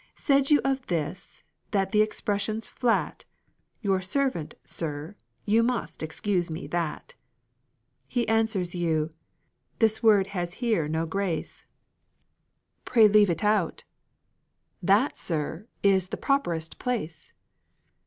"Said you of this, that the expression's flat? Your servant, sir, you must excuse me that," He answers you. "This word has here no grace, Pray leave it out." "That, sir, 's the properest place."